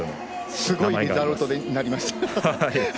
すごいリザルトになりました。